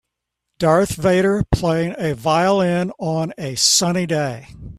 Darth Vader playing a violin on a sunny day